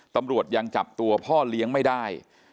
ตำรวจยังจับตัวพ่อเลี้ยงไม่ได้